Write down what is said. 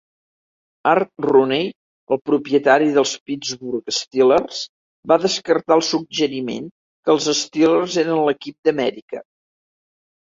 Art Rooney, el propietari dels Pittsburgh Steelers, va descartar el suggeriment que els Steelers eren l'equip d'Amèrica.